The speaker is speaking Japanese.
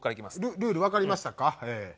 ルールわかりましたか？